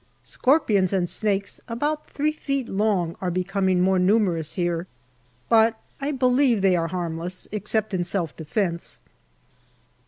Scorpions and snakes about three feet long are becoming more numerous here, but I believe they are harmless, except in self defence.